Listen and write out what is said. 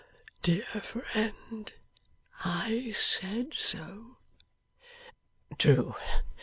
'Dear friend, I said so.' 'True.